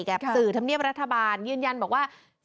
สื่อธรรมเนียบรัฐบาลยืนยันบอกว่า